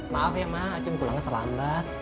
maaf ya mak acun pulangnya terlambat